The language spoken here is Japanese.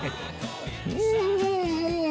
うん！